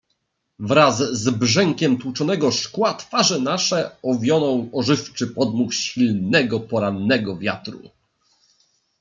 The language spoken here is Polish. "Wraz z brzękiem tłuczonego szkła twarze nasze owionął ożywczy podmuch silnego, porannego wiatru."